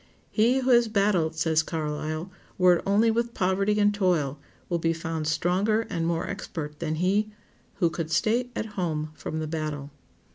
"He who has battled," says Carlyle, "were it only with poverty and toil, will be found stronger and more expert than he who could stay at home from the battle."